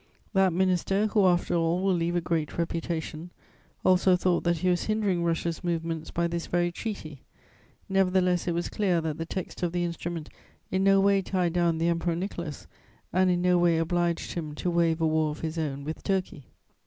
That minister, who, after all, will leave a great reputation, also thought that he was hindering Russia's movements by this very treaty; nevertheless, it was clear that the text of the instrument in no way tied down the Emperor Nicholas and in no way obliged him to waive a war of his own with Turkey.